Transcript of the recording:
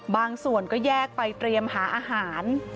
บางส่วนก็แยกไปเตรียมหาอาหาร